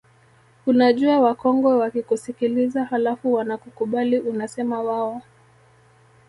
Unajua wakongwe wakikusikiliza halafu wanakukubali unasema waoo